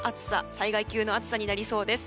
災害級の暑さになりそうです。